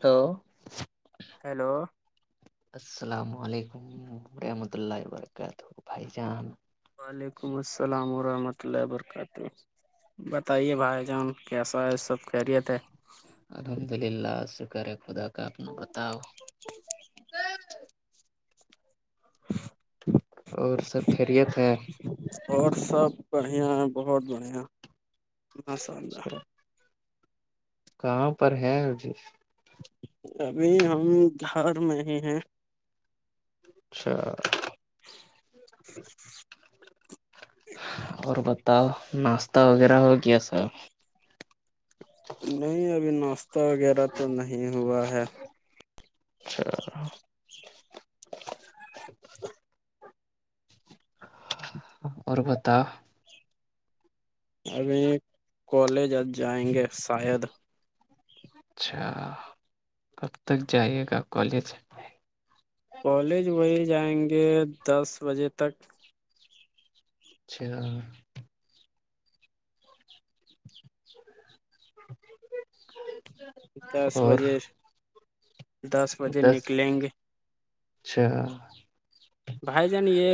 Hello [inaudible] hello السلام علیکمم رحمۃ اللہ وبرکاتہ بھائی جان وعلیکم السلام ورحمۃ اللہ وبرکاتہ بتائیے بھائی جان کیسا ہے سب خیریت ہے الحمد للہ شکر ہے خدا کا اپنا بتاؤ اور سب خیریت ہے اور سب بڑھیا ہے بہت بڑھیا مشء اللہ کہاں پر ہے اجی ابھی ہم گھر میں ہی ہیں اچھا اور بتاؤ ناشتہ وغیرہ ہو گیا سب نہیں ابھی ناشتہ وغیرہ تو نہیں ہوا ہے اچھا اور بتاؤ ابھی کالج آ جائیں گے شاید اچھا کب تک جائیے گا کالج کالج وہی جائیں گے دس بجے تک اچھا ج دس بجے دس بجے نکلیں گے اچھا بھائی جان یہ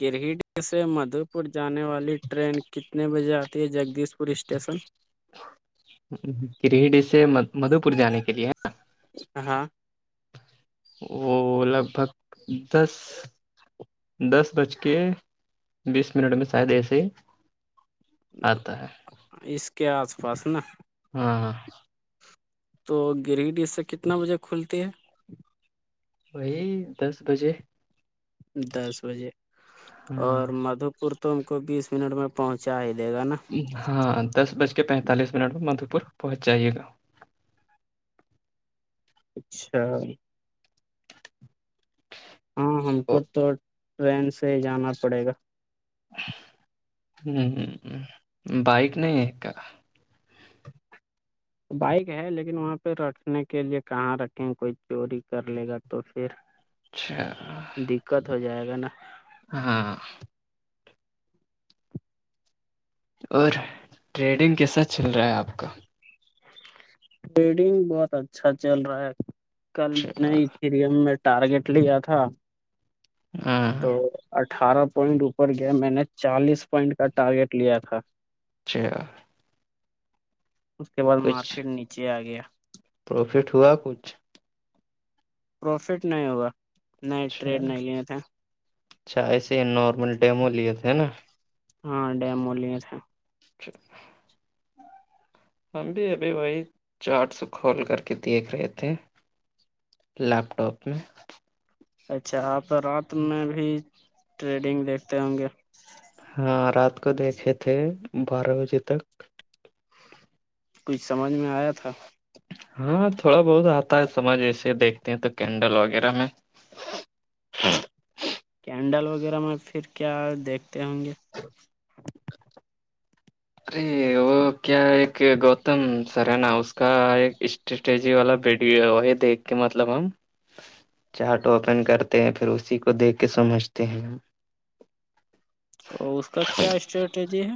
گرہٹ سے مدھو پور جانے والی ٹرین کتنے بجے آتی ہے جگدیش پلیس اسٹیشن [unintelligible] کرہڈی سے مدو پور جانے کے لیے ہ ہاں وہ لگ بھگ دس دس بج کے بیس منٹ میں شاید ایسے ہی آتا ہے اس کے آس پاس نا ہاں ہ تو گریڈ اس سے کتنا بجے کھلتی ہے وہی دس بجے دس بجے اور ہاں مادھو پور تم کو بیس منٹ میں پہنچا ہی دے گا نا ہاں دس بج کے پینتالیس منٹ میں مدھو پور پہنچ جائیے گا اچھا ہاں ہم کو ہ تو ٹرین سے ہی جانا پڑے گا ہ ہ بائک نہیں ہے کا بائک ہے لیکن وہاں پہ رکھنے کے لیے کہاں رکھیں کوئی چوری کر لے گا تو پھر [inaudible] اچھا دقت ہو جائے گا نا ہاں اور ٹریڈنگ کیسا چل رہا ہے آپ کا ریڈنگ بہت اچھا چل رہا ہے کل اچھا. نہیں سریم میں ٹارگیٹ لیا تھا ہاں تو اٹھارہ پوائنٹ اوپر گیا میں نے چالیس پوائنٹ کا ٹارگیٹ لیا تھا اچھا اس کے بعد کچھ مارکیٹ نیچے آ گیا پروفٹ ہوا کچھ پروفٹ نہیں ہوگا ن اچھا ٹریڈ نہیں لیے تھے اچھا ایسے نارمل ڈیمو لیے تھے نا ہاں ڈیم م لیے تھا اچھ ہم بھی ابھی وہی چارٹسو کھول کر کے دیکھ رہے تھے لیپٹاپ میں اچھا آپ رات میں بھی ٹریڈنگ دیکھتے ہوں گے ہاں رات کو دیکھے تھے بارہ بجے تک کچھ سمجھ میں آیا تھا ہاں تھوڑا بہت آتا ہے سمجھ ایسے دیکھتے ہیں تو کینڈل وغیرہ میں کینڈل وغیرہ میں پھر کیا دیکھتے ہوں گے ارے وہ کیا ایک گوتم سر ہے نا اس کا ایک اسٹریٹجی والا ویڈیو یہ دیکھ کے مطلب ہم چارٹ اوپن کرتے ہیں پھر اسی کو دیکھ کے سمجھتے ہیں تو اس کا کیا اسٹریٹجی ہے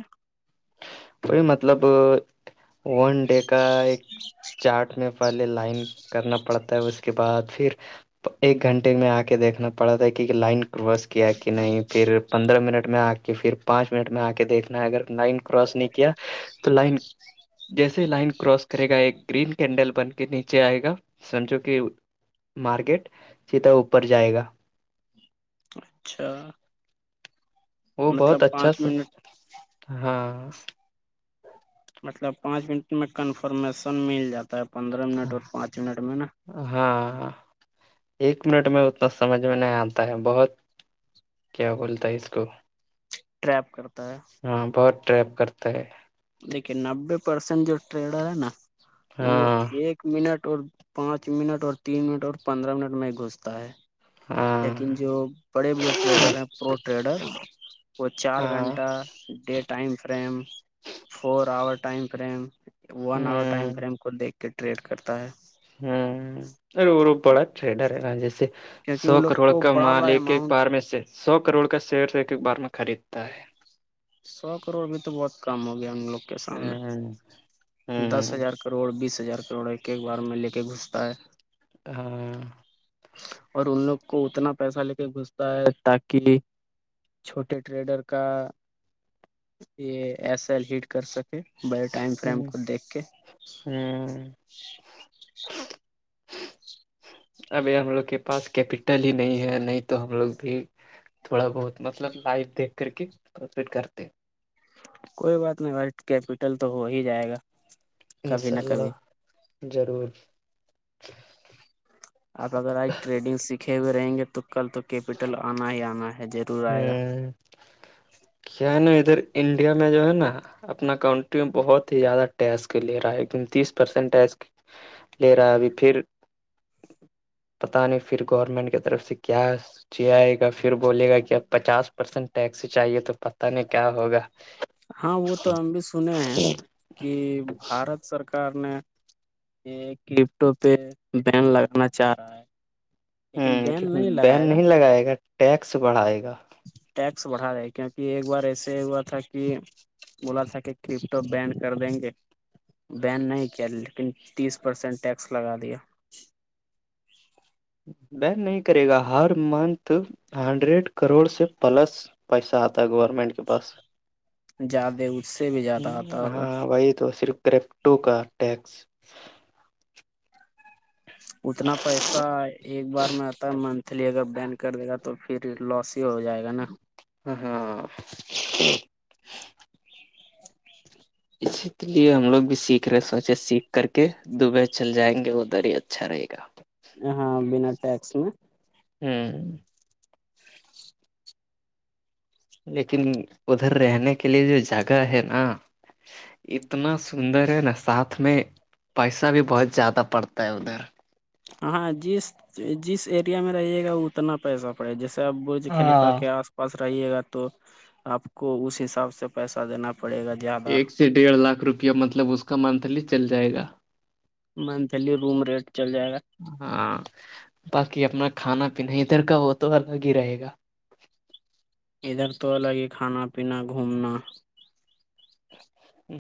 کوئی مطلب ون ڈے کا ایک چارٹ میں پہلے لائن کرنا پڑتا ہے اس کے بعد پھر ایک گھنٹے میں آ کے دیکھنا پڑا تھا کہ لائن کراس کیا کہ نہیں پھر پندرہ منٹ میں آ کہ پھر پانچ منٹ میں آ کے دیکھنا ہے اگر لائن کراس نہیں کیا تو لائن جیسے لائن کراس کرے گا ایک گرین کینڈل بن کے نیچے آئے گا سمجھو کہ مارکیٹ سیدھا اوپر جائے گا اچھا وہ بہت مطلب اچھا پانچ سا منٹ ہاں مطلب پانچ منٹ میں کنفرمیشن مل جاتا ہے پندرہ منٹ اور پانچ منٹ میں نا ہاں ایک منٹ میں اتنا سمجھ میں نہیں آتا ہے بہت کیا بولتا ہے اس کو ٹریپ کرتا ہے ہاں بہت ٹریپ کرتا ہے دیکھیے نبے پرسینٹ جو ٹریڈر ہے نا وہ ہاں ایک منٹ اور پانچ منٹ اور تین منٹ اور پندرہ منٹ میں گھستا ہے ہاں لیکن جو بڑے بڑے ٹریڈر ہیں پرو ٹریڈر وہ چار ہاں گھنٹہ day time frame four hour time frame one hour time ہوں فریم کو دیکھ کے ٹریڈ کرتا ہے ہمم ارے وہ بڑا ٹریڈر ہے رانجی سے کیونکہ سو وہ لوگ کروڑ کو کا بڑا مال بڑا ایک ایک اماؤنٹ بار میں سے سو کروڑ کا شیئر ایک ایک بار میں خریدتا ہے سو کروڑ بھی تو بہت کم ہو گیا ہم لوگ کے سامنے ہوں دس ہوں ہزار کا کروڑ بیس ہزار کروڑ ایک ایک بار میں لے کے گھستا ہے ہاں اور ان لوگ کو اتنا پیسہ لے کے گھستا ہے تاکہ چھوٹے ٹریڈر کا یہ ایس ایل ہیٹ کر سکتے بائی ٹائم فریم کو دیکھ کے ہمم [unintelligible] ابھی ہم لوگ کے پاس کیپیٹل ہی نہیں ہے نہیں تو ہم لوگ بھی تھوڑا بہت مطلب لائو دیکھ کر کے پروفٹ کرتے کوئی بات نہیں ب کیپٹل تو ہو ہی جائے گا ان کبھی شاء نہ اللہ کبھی ضرور آپ اگر آئی ٹریڈنگ سیکھے ہوئے رہیں گے تو کل تو کیپیٹل آنا ہی آنا ہے جی ہوں [unintelligible] کیا ہے نا ادھر انڈیا میں جو ہے نا اپنا کنٹری میں بہت ہی زیادہ ٹیکس لے رہا ہےیکن تیس پرسینٹ ٹیکس لے رہا ہے پھر پتا نہیں پھر گورنمنٹ کی طرف سے کیا سچ آئے گا پھر بولے گا کہ پچاس پرسینٹ ٹیکسی چاہیے تو پت نہیں کیا ہوگا ہاں وہ تو ہم بھی سنے ہیں کہ بھارت سرکار نے ایک لیپ ٹاپ پہ بین لگانا چاہ رہا ہے لیکن بین ہوں نہیں بین لگائے گا نہیں لگائے گا ٹیکس بڑھائے گا ٹیکس بڑھا رہے کیونکہ ایک بار ایسے ہوا تھا کہ بولا تھا کہ کرپٹو بینڈ کر دیں گے بین نہیں کیا لیکن تیس پرسینٹ ٹیکس لگا دیا ب نہیں کرے گا ہر منتھ ہنڈریڈ کروڑ سے پلس پیسہ آتا گورنمنٹ بس زیادہ اس سے بھی زیادہ آتا ہوگا ہاں وہی تو صرف کرے ٹوکا ٹیکس اتنا پیسہ ایک بار میں آتا ہے منتھلی اگر بین کر دے گا تو تو پھر لاس ہی ہو جائے گا نا ہاں ہاں اسی لیے ہم لوگ بھی سیکھ رہے سوچے سیکھ کر کے دبئی چل جائیں گے ادھرر ہی اچھا رہے گا ہاں بنا ٹیکس میں ہوں لیکن ادھر رہنے کے لیے جو جگہ ہے نا اتنا سندر ہے نا ساتھ میں پیسہ بھی بہت زیادہ پڑتا ہے ادھر ہاں جس جس ایریا میں رہیے گا اتنا پیسہ ے جیسے آپ برج خلیفہ ہاں کے آس پاس رہیے گا تو آپ کو اس حساب سے پیسہ دینا پڑے گا زیادہ ایک سے ڈیڑھ لاکھ روپیہ مطلب اس کا منتھلی چل جائے گا منتھلی روم ریٹ چل جائے گا ہاں باقی اپنا کھانا پینا ادھر کا وہ تو الگ ہی رہے گا ادھر تو الگ ہی کھانا پینا گھومنا [inaudible]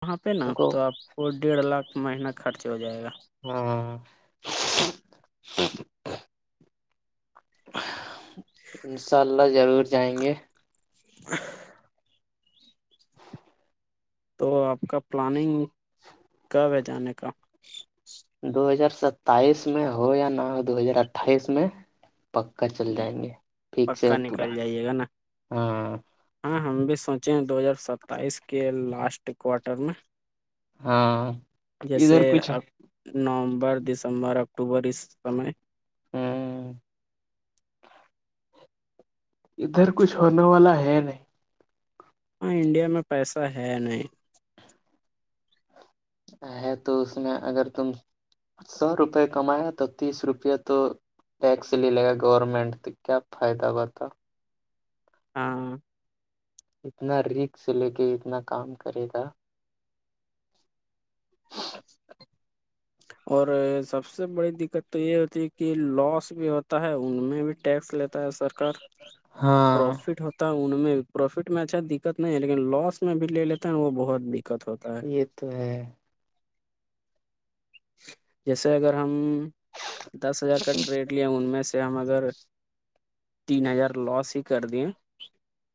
وہاں پہ نا ہم کو تو آپ کو ڈیڑھ لاکھ مہینہ خرچ ہو جائے گا ہاں ان شاء اللہ ضرور جائیں گے ا تو آپ کا پلاننگ [inaudible] ب جانے کا دو ہزار ستائیس میں ہو یا نہ ہو دو ہزار اٹھائیس میں پکا چل جائیں گے ٹھیک سے ہے پکا نکل پانی جائیے گا نا ہاں ہاں ہم بھی سوچے ہیں دو ہزار ستائیس کے لاسٹ کوارٹر میں ہاں جیسے ادھر کچھ نومبر دسمبر اکتوبر اس سمے ہاں ادھر کچھ ہونے والا ہے نہیں ہاں انڈیا میں پیسہ ہے نہیں ہے تو اس میں اگر تم سو روپے کمایا تو تیس روپے تو ٹیکس لے لے گا گورنمنٹ تو کیا فائدہ ہو تھا ہاں اتنا ریک سے لے کے اتنا کام کرے گا اور سب سے بڑی دقت تو یہ ہوتی ہے کہ لاس بھی ہوتا ہے ان میں بھی ٹیکس لیتا سرک ہاں پروفٹ ہوتا ان میں پروفٹ میں اچھا دقت نہیں ہے لیکن لاس میں بھی لے لیتا ن وہ بہت دقت ہوتا ہے یہ تو ہے جیسے اگر ہم دس ہزار کا ٹریٹ ل ان میں سے ہم اگر تین ہزار لاس ہی کر دیے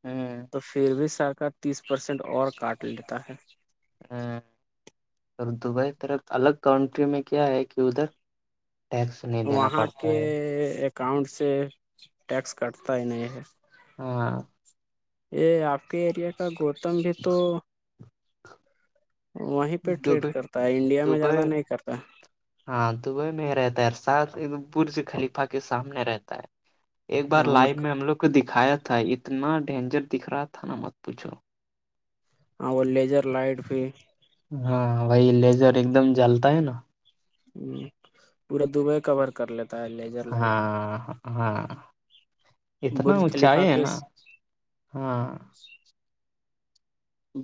ہاں تو پھر بھی سرکار تیس پرسینٹ اور کاٹ لیتا ہے ہاں اور دبئی طرف الگ کنٹری میں کیا ہے کہ ادھر ٹیکس نہیں دینا وہاں پڑتا کے ہے اکاؤنٹ سے ٹیکس کٹتا ہی نہیں ہے ہاں یہ آپ کے ایریا کا گوتم بھی تو وہیں پہ ٹریڈ دبئی کرتا ہے انڈیا میں دبئی زیادہ نہیں کرتا ہاں دبئی میں ہی رہتا ہےر سات ایک برج خلیفہ کے سامنے رہتا ہے ایک ہے۔ بار ان لائو میں ہم لوگ کو دکھایا تھا اتنا ڈینجر دکھ رہا تھا نا مت پوچھو ہ وہ لیزر لائٹ بھی ہاں وہی لیزر ایک دم جلتا ہے نا ہ پورا دب کور کر لیتا ہے لیزر لائٹ ہاں ہاں اتنا برج اونچائی خلیفہ ہے کے نا ہاں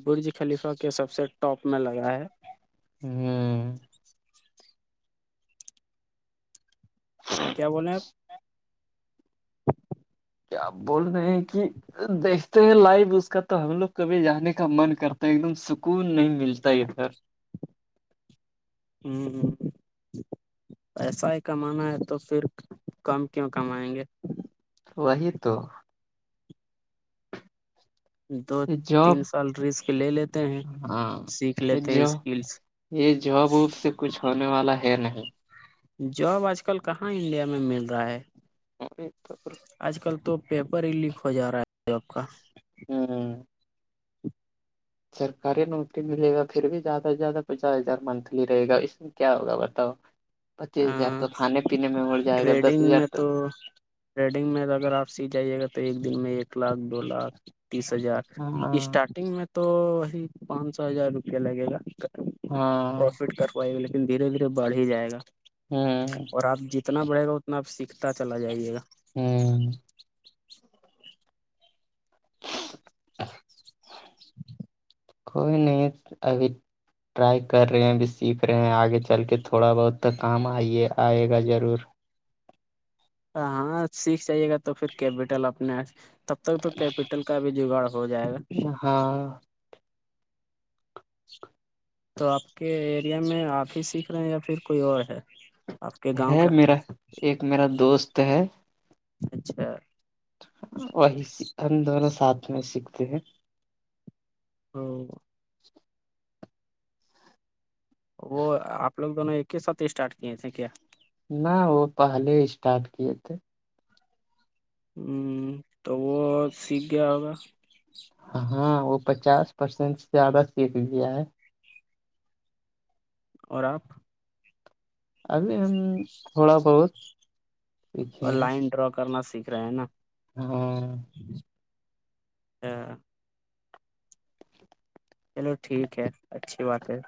برج خلیفہ کے سب سے ٹاپ میں لگا ہے ہاں کیا بولےیں آپ کیا بول رہے ہیں کہ دیک لائو اس کا تو ہم لوگ کبھی جانے کا من کرتا ایک دم سکون نہیں ملتا ادھر ہوں ہ پیسا ہی کمانا ہے تو پھر کم کیوں کمائیں گے تو وہی تو دو یہ تین جاب سال رسک لے لیتے ہیں ہاں سیکھ یہ لیتے ہیں جاب اسکلس یہ جاب ووب سے کچھ ہونے والا ہے نہیں جاب آج کل کہاں انڈیا میں مل رہا ہے اور تو آج کل تو پیپر ہی لیک ہو جا رہا ہے جاب کا ہاں سرکاری نوکری ملے گا پھر بھی زیادہ سے زیادہ پچاس ہزار منتھلی رہے گا اس کیا ہوگا بتاؤ پچیس ہ ہزار تو کھانے پینے میں مڑ جائے گا دس ٹریڈنگ ہزار میں تو تھریڈنگ میں اگر آپ سی جائیے گا تو ایک دن میں ایک لاکھ دو لاکھ تیس ہزار ہاں اسٹارٹنگ میں تو وہی پانچ سو ہزار روپیہ لگے گا ہاں پروفٹ کروائی گے لیکن دھیرے دھیرے بڑھ ہی جائے گا ہوں اور آپ جتنا بڑھے گا اتنا آپ سیکھتا چلا جائیے گا ہوں کوئی نہیں اب ٹرائی کر رہے ہیں بھی سیکھ رہے ہیں آگے چل کے تھوڑا بہت تو کام آئیے آئے گا ضرور ہاں سیس چاہے گا تو پھر کیپٹل اپنے تب تک تو کیپیٹل کا بھی جگاڑ ہو جائے گا ہاں تو آپ کے ایریا میں آپ ہی سیکھ رہے ہیں یا پھر کوئی اور ہے آپ کے گاؤں ہے کا میرا ایک میرا دوست ہے اچھا وہی ہم دونوں ساتھ میں سیکھتے ہیں تو وہ آپ لوگ دونوں ایک ہی ساتھ اسٹارٹ کیے تھے کیا نہ وہ پہلے اسٹارٹ کیے تھے ہوں تو وہ سیکھ گیا ہوگا ہاں وہ پچاس پرسینٹ سے زیادہ سیکھ گیا ہے اور آپ ابھی ہم تھوڑا بہت سیکھے اور ہیں لائن ڈرا کرنا سیکھ رہے ہیں نا ہاں اچ چلو ٹھیک ہے اچھی بات ہے